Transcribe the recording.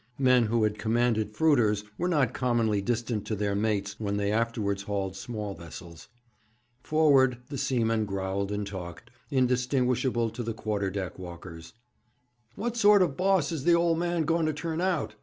Men who had commanded fruiters were not commonly distant to their mates when they afterwards handled small vessels. Forward the seamen growled in talk indistinguishable to the quarter deck walkers. 'What sort of boss is th' ole man going to turn out?'